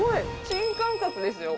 新感覚ですよ。